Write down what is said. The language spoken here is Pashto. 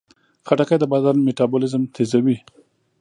خټکی د بدن میتابولیزم تیزوي.